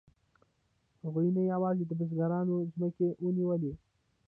هغوی نه یوازې د بزګرانو ځمکې ونیولې